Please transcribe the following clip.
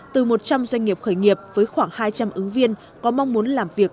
từ một trăm linh doanh nghiệp khởi nghiệp với khoảng hai trăm linh ứng viên có mong muốn làm việc